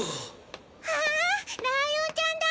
あぁライオンちゃんだ！